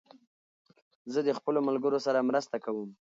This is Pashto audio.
زه د خپلو ملګرو سره مرسته کوم.